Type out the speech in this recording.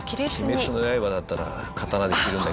『鬼滅の刃』だったら刀で切るんだけどな。